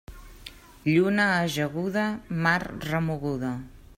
Lluna ajaguda, mar remoguda.